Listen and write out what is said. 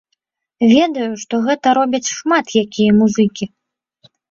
Ведаю, што гэта робяць шмат якія музыкі.